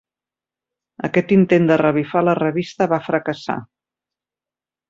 Aquest intent de revifar la revista va fracassar.